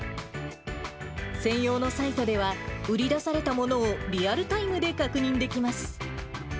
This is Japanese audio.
専用のサイトでは、売り出されたものをリアルタイムで確認できます。